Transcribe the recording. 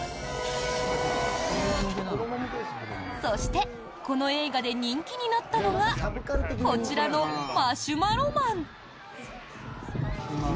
そしてこの映画で人気になったのがこちらのマシュマロマン。